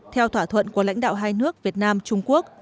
theo thỏa thuận của lãnh đạo hai nước việt nam trung quốc